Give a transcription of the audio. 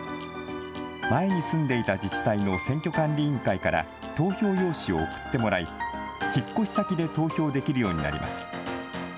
前に住んでいた自治体の選挙管理委員会から投票用紙を送ってもらい、引っ越し先で投票できるようになります。